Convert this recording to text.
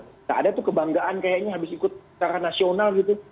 nggak ada tuh kebanggaan kayaknya habis ikut secara nasional gitu